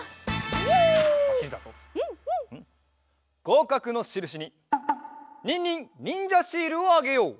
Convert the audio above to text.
ごうかくのしるしにニンニンにんじゃシールをあげよう！